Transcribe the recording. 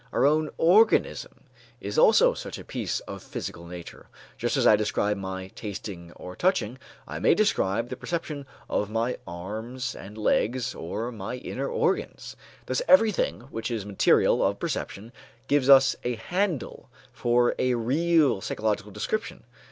Our own organism is also such a piece of physical nature: just as I describe my tasting or touching, I may describe the perception of my arms and legs or my inner organs. Thus everything which is material of perception gives us a handle for a real psychological description.